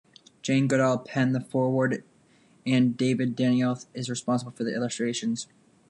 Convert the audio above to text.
Jane Goodall penned the foreword and David Danioth is responsible for the illustrations.